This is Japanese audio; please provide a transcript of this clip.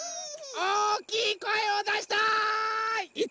おおきいこえをだしたい！